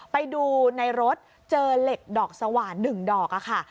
ไปดูในรถเจอเหล็กดอกสว่าน๑ดอกค่ะ